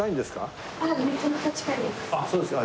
あっそうですか。